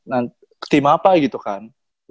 nanti tim apa gitu kan